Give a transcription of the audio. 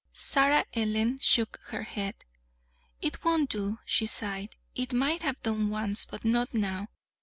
Sarah Ellen shook her head. "It won't do," she sighed. "It might have done once but not now.